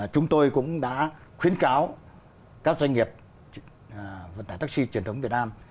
chúng tôi cũng đã khuyến cáo các doanh nghiệp vận tải taxi truyền thống việt nam